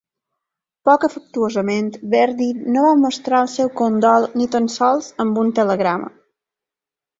Poc afectuosament, Verdi no va mostrar el seu condol ni tan sols amb un telegrama.